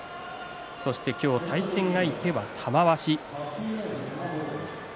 そして今日、対戦相手は玉鷲。